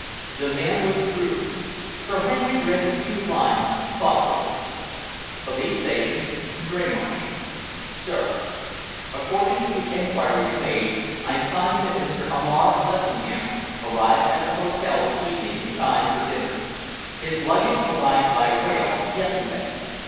The man withdrew. Sir Henry read the few lines thoughtfully: Police station, Dreymarsh SIR, According to enquiries made I find that Mr. Hamar Lessingham arrived at the Hotel this evening in time for dinner. His luggage arrived by rail yesterday.